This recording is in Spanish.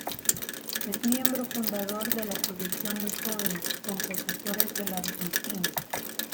Es miembro fundador de la Asociación de Jóvenes Compositores de la Argentina.